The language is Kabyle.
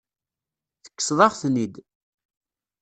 Tekkseḍ-aɣ-ten-id.